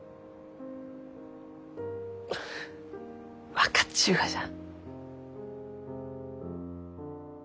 分かっちゅうがじゃ。